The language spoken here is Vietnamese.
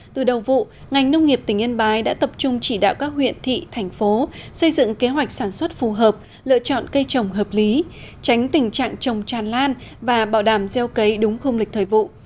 từ đầu vụ ngành nông nghiệp tỉnh yên bái đã tập trung chỉ đạo các huyện thị thành phố xây dựng kế hoạch sản xuất phù hợp lựa chọn cây trồng hợp lý tránh tình trạng trồng tràn lan và bảo đảm gieo cấy đúng không lịch thời vụ